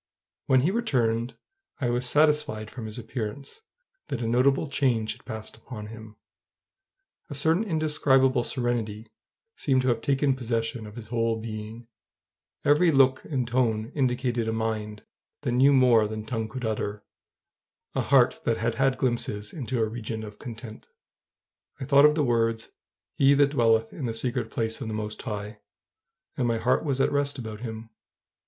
When he returned I was satisfied from his appearance that a notable change had passed upon him: a certain indescribable serenity seemed to have taken possession of his whole being; every look and tone indicated a mind that knew more than tongue could utter, a heart that had had glimpses into a region of content. I thought of the words, "He that dwelleth in the secret place of the Most High," and my heart was at rest about him.